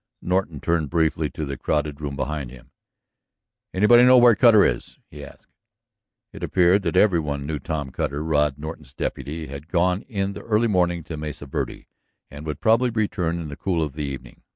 Norton turned briefly to the crowded room behind him. "Anybody know where Cutter is?" he asked. It appeared that every one knew. Tom Cutter, Rod Norton's deputy, had gone in the early morning to Mesa Verde, and would probably return in the cool of the evening.